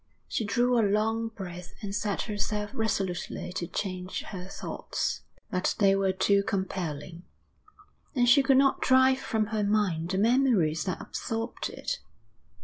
She drew a long breath and set herself resolutely to change her thoughts. But they were too compelling, and she could not drive from her mind the memories that absorbed it.